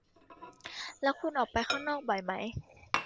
แล้วคุณออกไปข้างนอกบ่อยไหม ?